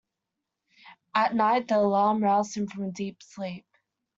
At night the alarm roused him from a deep sleep.